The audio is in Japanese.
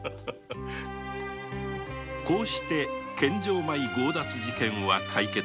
こうして献上米強奪事件は解決した。